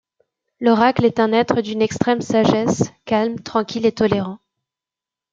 L'Oracle est un être d'une extrême sagesse, calme, tranquille et tolérant.